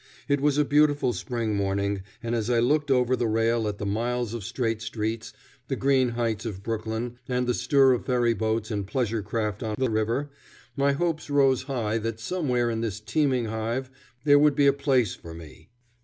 It was a beautiful spring morning, and as I looked over the rail at the miles of straight streets, the green heights of Brooklyn, and the stir of ferryboats and pleasure craft on the river, my hopes rose high that somewhere in this teeming hive there would be a place for me.